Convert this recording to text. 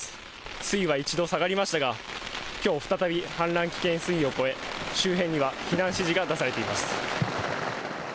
水位は一度下がりましたが今日再び氾濫危険水位を超え周辺には避難指示が出されています。